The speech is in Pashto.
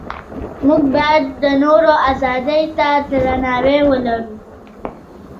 موږ باید د نورو ازادۍ ته درناوی ولرو.